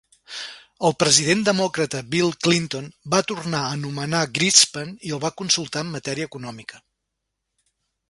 El president demòcrata, Bill Clinton, va tornar a nomenar Greenspan i el va consultar en matèria econòmica.